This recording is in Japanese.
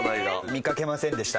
見かけませんでした？